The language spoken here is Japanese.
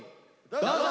どうぞ。